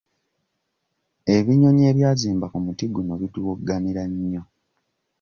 Ebinyonyi ebyazimba ku muti guno bituwogganira nnyo.